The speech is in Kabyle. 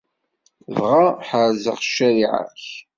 Dɣa ḥerzeɣ ccariɛa-k.